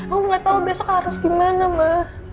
aku gak tau besok harus gimana ma